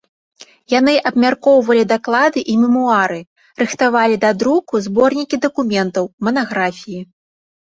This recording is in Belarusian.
Яны абмяркоўвалі даклады і мемуары, рыхтавалі да друку зборнікі дакументаў, манаграфіі.